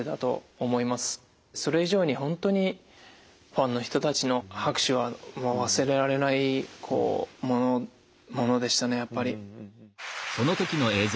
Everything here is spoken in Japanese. それ以上に本当にファンの人たちの拍手はもう忘れられないものでしたねやっぱり。